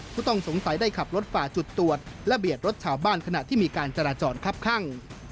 ผู้ต้องสงสัยได้ขับรถฝ่าจุดตรวจและเบียดรถชาวบ้านขณะที่มีการจราจรคับข้าง